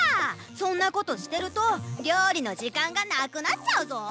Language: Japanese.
そんなことしてるとりょうりのじかんがなくなっちゃうぞ！